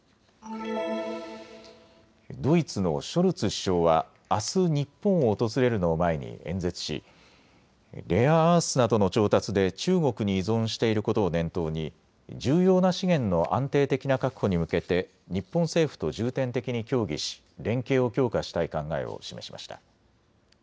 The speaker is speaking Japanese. ドイツのショルツ首相は、あす日本を訪れるのを前に演説しレアアースなどの調達で中国に依存していることを念頭に重要な資源の安定的な確保に向けて日本政府と重点的に協議し連携を強化したい考えを示しました。